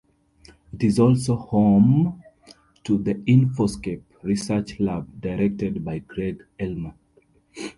It is also home to the Infoscape Research Lab, directed by Greg Elmer.